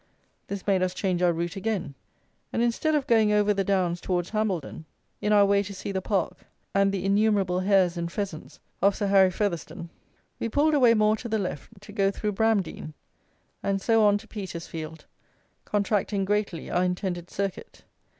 This made us change our route again, and instead of going over the downs towards Hambledon, in our way to see the park and the innumerable hares and pheasants of Sir Harry Featherstone, we pulled away more to the left, to go through Bramdean, and so on to Petersfield, contracting greatly our intended circuit.